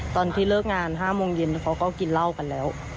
ตอนที่เลิกงาน๕โมงเย็นเขาก็กินเหล้ากันแล้ว